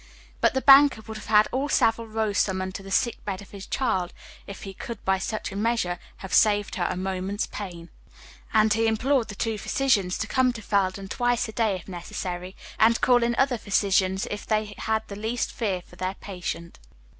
But the banker would have had all Saville Row summoned to the sick bed of his child, if he could by such a measure have saved her a moment's pain; and he implored the two physicians to come to Felden twice a day if necessary, and to call in other physicians if they had the least fear for their patient.